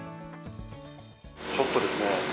ちょっとですね